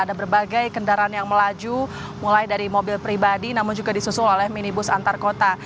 ada berbagai kendaraan yang melaju mulai dari mobil pribadi namun juga disusul oleh minibus antar kota